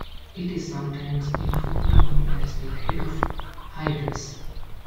It is sometimes informally known as the Head of Hydrus.